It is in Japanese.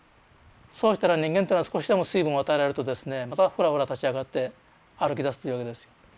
そうしたら人間っていうのは少しでも水分を与えられるとですねまたフラフラ立ち上がって歩きだすというわけですよ。